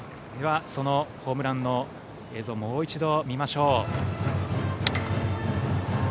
そのホームランの映像もう一度見ましょう。